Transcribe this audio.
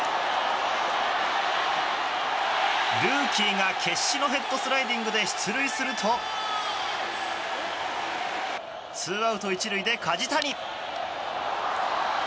ルーキーが決死のヘッドスライディングで出塁するとツーアウト１塁で梶谷。